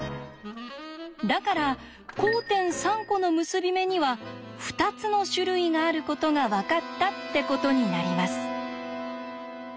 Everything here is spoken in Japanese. だから交点３コの結び目には２つの種類があることが分かったってことになります。